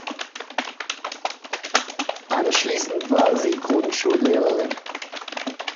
Anschließend war sie Grundschullehrerin.